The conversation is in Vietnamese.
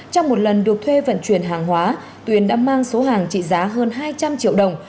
trong một lần được thuê vận chuyển hàng hóa tuyền đã mang số hàng trị giá hơn hai trăm linh triệu đồng